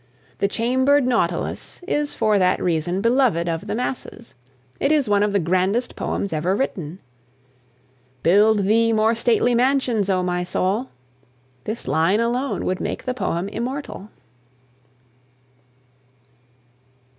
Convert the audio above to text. "The Chambered Nautilus" is for that reason beloved of the masses. It is one of the grandest poems ever written. "Build thee more stately mansions, O my soul!" This line alone would make the poem immortal.